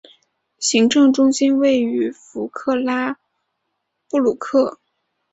行政中心位于弗克拉布鲁克。